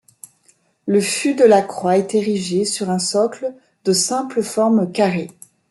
Le fut de la croix est érigé sur un socle de simple forme carrée.